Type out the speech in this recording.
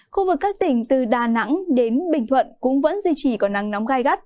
khu vực các tỉnh từ đà nẵng đến bình thuận cũng vẫn duy trì có nắng nóng gai gắt